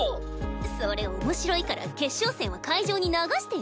それ面白いから決勝戦は会場に流してよ。